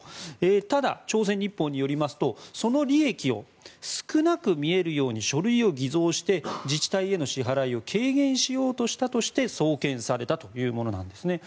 ただ、朝鮮日報によりますとその利益を少なく見えるように書類を偽造して自治体への支払いを軽減しようとしたとして送検されたというものなんですね。